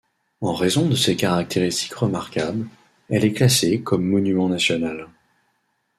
En raison de ses caractéristiques remarquables, elle est classée comme monument national.